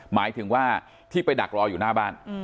หมายถึงว่าที่ไปดักรออยู่หน้าบ้าน